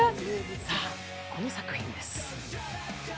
さあ、この作品です。